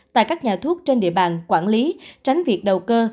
tại các nhà thuốc trên địa bàn quản lý tránh việc đầu cơ